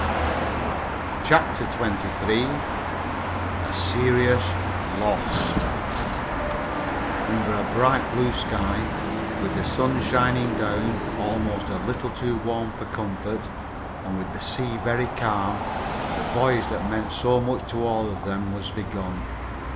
CHAPTER XXIII A SERIOUS LOSS Under a bright blue sky, with the sun shining down almost a little too warm for comfort, and with the sea very calm, the voyage that meant so much to all of them was begun.